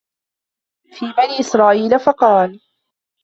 فِي بَنِي إسْرَائِيلَ فَقَالَ